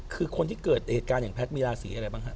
คือคนที่เกิดเหตุการณ์อย่างแพทย์มีราศีอะไรบ้างฮะ